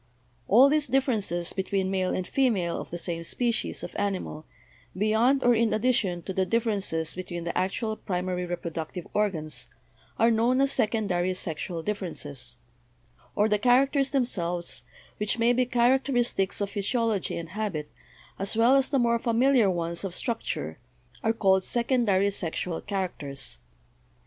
All these differences between male and fe male of the same species of animal, beyond or in addition to the differences between the actual primary reproductive organs, are known as secondary sexual differences, or the characters themselves, which may be characteristics of physiology and habit, as well as the more familiar ones of structure, are called, secondary sexual characters.